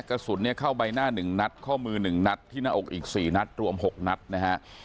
กระสุนเนี่ยเข้าใบหน้า๑นัดข้อมือ๑นัดที่หน้าอกอีก๔นัดรวม๖นัดนะฮะ